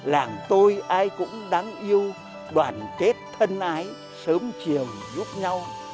làng tôi ai cũng đáng yêu đoàn kết thân ái sớm chiều giúp nhau